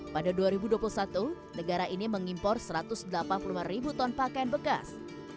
pada dua ribu dua puluh satu negara ini mengimpor satu ratus delapan puluh lima ribu ton pakaian bekas